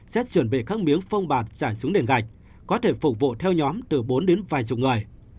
sẽ chuẩn bị các miếng phông bạt chảy xuống nền gạch có thể phục vụ theo nhóm từ bốn đến vài chục người